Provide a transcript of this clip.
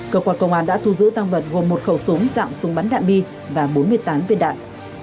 cơ quan công an đã thu giữ tăng vật gồm một khẩu súng dạng súng bắn đạn bi và bốn mươi tám viên đạn